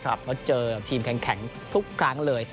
แล้วเจอกับทีมแข่งทุกครั้งเลย